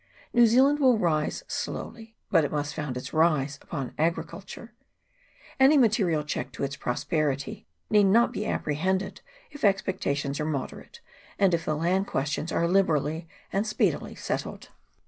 New Zealand will rise slowly, but it must found its rise upon agriculture. Any material check to its prosperity need not be ap prehended, if expectations are moderate, and if the land questions are liberally and speedily settled.